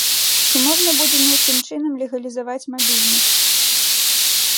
Ці можна будзе нейкім чынам легалізаваць мабільнік?